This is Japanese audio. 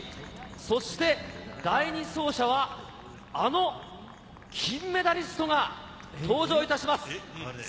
そして第２走者はあの金メダリストが登場いたします。